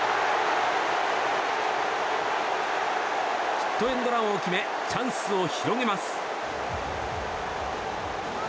ヒットエンドランを決めチャンスを広げます。